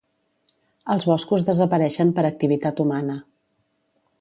Els boscos desapareixen per activitat humana.